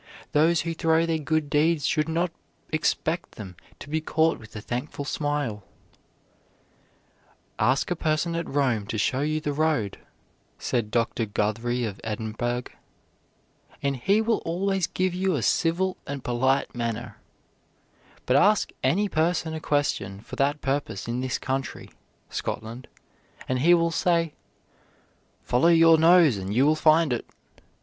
Those who throw their good deeds should not expect them to be caught with a thankful smile. "Ask a person at Rome to show you the road," said Dr. Guthrie of Edinburgh, "and he will always give you a civil and polite answer; but ask any person a question for that purpose in this country (Scotland), and he will say, 'Follow your nose and you will find it.'